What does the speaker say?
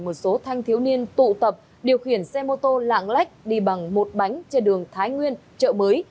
một số thanh thiếu niên tụ tập điều khiển xe mô tô lạng lách đi bằng một bánh trên đường thái nguyên chợ mới